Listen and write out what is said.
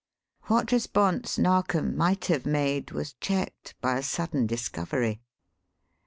What response Narkom might have made was checked by a sudden discovery.